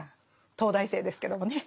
東大生ですけどもね。